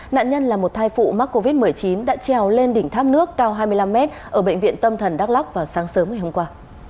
nạn nhân là một thai phụ mắc covid một mươi chín đã trèo lên đỉnh tháp nước cao hai mươi năm m ở bệnh viện tâm thần đắk lắc vào sáng sớm ngày hôm qua